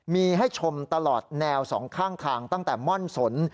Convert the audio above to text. มีให้ชมตลอดแนวสองข้างทางตั้งแต่ม่อนสน